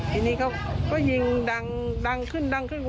ทีนี้เขาก็ยิงดังขึ้นดังขึ้น